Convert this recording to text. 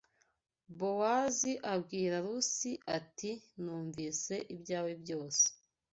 Bowazi abwira Rusi ati numvise ibyawe byose